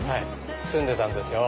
住んでたんですよ。